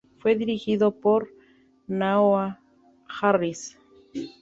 Fue dirigido por Noah Harris.